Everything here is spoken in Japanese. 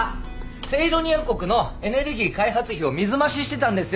セイロニア国のエネルギー開発費を水増ししてたんですよ！